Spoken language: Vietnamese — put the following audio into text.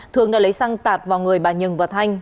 thương đã lấy xăng tạt vào người bà nhường và thanh